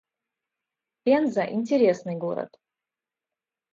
Пенза — интересный город